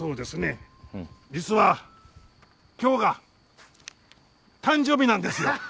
実は今日が誕生日なんですよ。